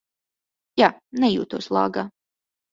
Jā, nejūtos lāgā.